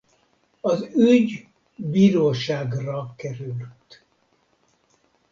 Az ügy bíróságra került.